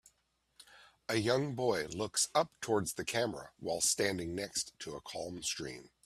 A young boy looks up towards the camera while standing next to a calm stream